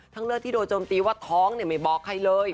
ทั้งเลิศที่โดยโจมตีว่าท้องเนี่ยไม่บอกใครเลย